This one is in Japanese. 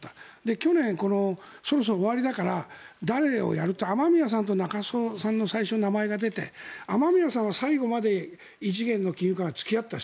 去年、そろそろ終わりだから誰をやるかって雨宮さんと中曽さんの名前が最初に出て雨宮さんは最後まで異次元の金融緩和に付き合った人。